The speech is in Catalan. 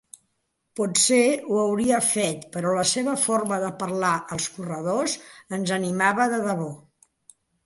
Potser ho hauria fet, però la seva forma de parlar als corredors ens animava de debò.